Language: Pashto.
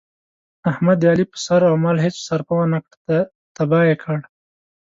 احمد د علي په سر او مال هېڅ سرفه ونه کړه، تیاه یې کړ.